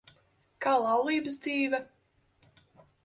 Kā laulības dzīve?